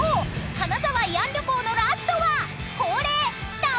金沢慰安旅行のラストは］